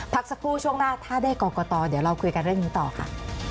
พักสักครู่ช่วงหน้าถ้าได้กรกตเดี๋ยวเราคุยกันเรื่องนี้ต่อค่ะ